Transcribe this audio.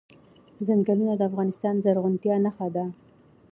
ځنګلونه د افغانستان د زرغونتیا نښه ده.